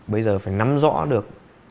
bây giờ phải nắm rõ được